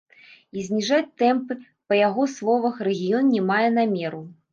І зніжаць тэмпы, па яго словах, рэгіён не мае намеру.